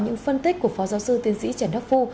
những phân tích của phó giáo sư tiến sĩ trần đắc phu